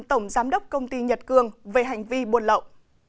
tổng giám đốc công ty nhật cương về hành vi buồn lậu